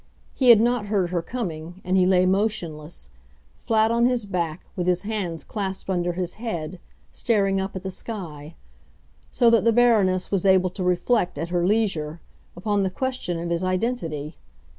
He had not heard her coming, and he lay motionless, flat on his back, with his hands clasped under his head, staring up at the sky; so that the Baroness was able to reflect, at her leisure, upon the question of his identity.